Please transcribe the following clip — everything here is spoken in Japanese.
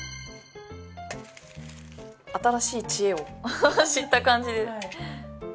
新しい知恵を知った感じ。